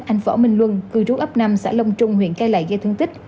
anh phở minh luân cư trú ấp năm xã long trung huyện cai lậy gây thương tích